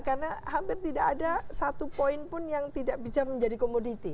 karena hampir tidak ada satu poin pun yang tidak bisa menjadi komoditi